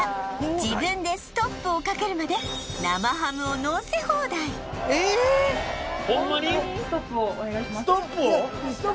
自分でストップをかけるまで生ハムをのせ放題ええっストップを？